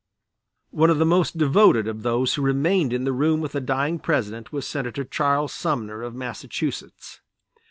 One of the most devoted of those who remained in the room with the dying President was Senator Charles Sumner, of Massachusetts.